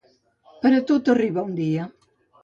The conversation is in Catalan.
Per a tot arriba un dia.